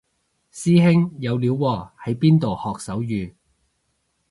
師兄有料喎喺邊度學手語